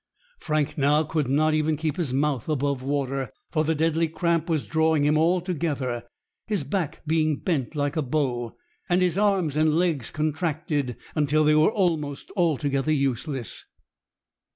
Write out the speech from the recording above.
Frank now could not even keep his mouth above water, for the deadly cramp was drawing him all together, his back being bent like a bow, and his arms and legs contracted until they were almost altogether useless.